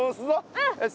うん！